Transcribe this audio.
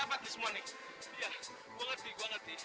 sampai jumpa di video selanjutnya